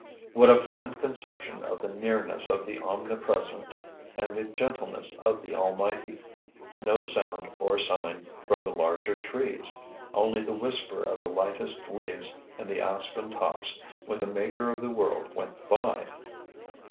What a fine conception of the nearness of the Omnipresent and the gentleness of the Almighty! No sound or sign from the larger trees! Only the whisper of the lightest leaves in the aspen tops when the Maker of the world went by!